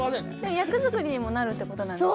役作りにもなるってことなんですか？